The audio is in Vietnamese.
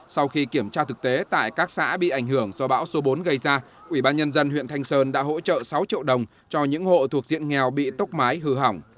sau khi kiểm tra thực tế tại các xã bị ảnh hưởng do bão số bốn gây ra ủy ban nhân dân huyện thanh sơn đã hỗ trợ sáu triệu đồng cho những hộ thuộc diện nghèo bị tốc mái hư hỏng